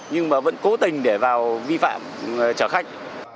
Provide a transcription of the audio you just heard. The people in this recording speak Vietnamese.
nhưng mà vẫn cố tình để vào vi phạm chở khách